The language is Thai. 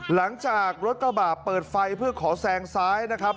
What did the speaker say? หลังจากรถกระบะเปิดไฟเพื่อขอแซงซ้ายนะครับ